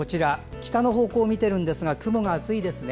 北の方向を見ているんですが雲が厚いですね。